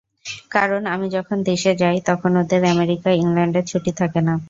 কারণ আমি যখন দেশে যাই তখন ওদের আমেরিকা ইংল্যান্ডে ছুটি থাকে না।